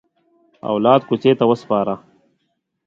اولاد کوڅې ته وسپاره.